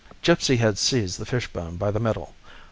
Gipsy had seized the fishbone by the middle.